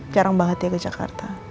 jarang banget ya ke jakarta